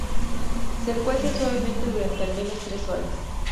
Se cuecen suavemente durante al menos tres horas.